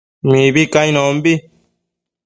Mibi cainonbi